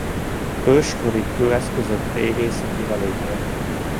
Őskori kőeszközök régészeti lelőhelye.